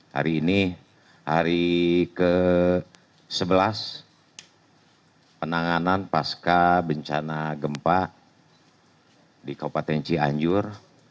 hari ini hari ke sebelas penanganan pasca bencana gempa di kabupaten cianjur